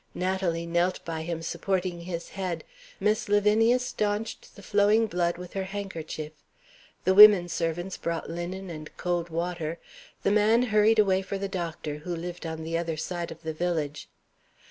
Natalie knelt by him, supporting his head. Miss Lavinia stanched the flowing blood with her handkerchief. The women servants brought linen and cold water. The man hurried away for the doctor, who lived on the other side of the village.